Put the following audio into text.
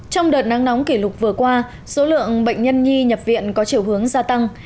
trong đợt nắng nóng kỷ lục vừa qua số lượng bệnh nhân nhi nhập viện có chiều hướng gia tăng